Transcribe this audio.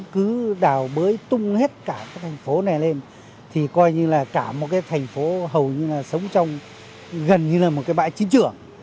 cứ đào bới tung hết cả cái thành phố này lên thì coi như là cả một cái thành phố hầu như là sống trong gần như là một cái bãi chiến trường